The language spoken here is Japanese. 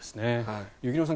雪乃さん